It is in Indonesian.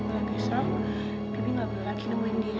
kalau besok bibik enggak boleh lagi nemuin dia